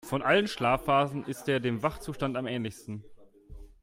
Von allen Schlafphasen ist er dem Wachzustand am ähnlichsten.